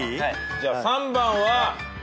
じゃあ３番は。